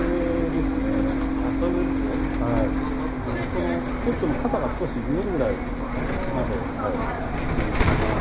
このポットの肩が少し見えるぐらいまで植えていきます。